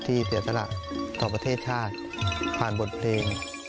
ที่เปรียบสรรค์ต่อประเทศชาติผ่านบทเพลง